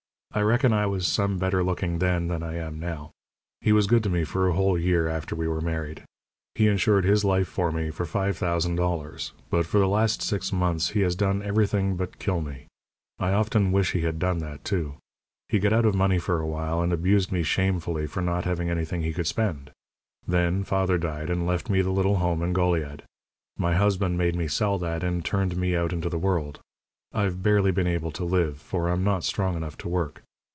I reckon I was some better looking then than I am now. He was good to me for a whole year after we were married. He insured his life for me for five thousand dollars. But for the last six months he has done everything but kill me. I often wish he had done that, too. He got out of money for a while, and abused me shamefully for not having anything he could spend. Then father died, and left me the little home in Goliad. My husband made me sell that, and turned me out into the world. I've barely been able to live, for I'm not strong enough to work.